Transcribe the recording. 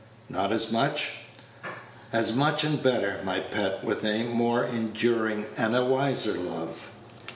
"Not as much?" "As much and better, my pet; with a more enduring and a wiser love."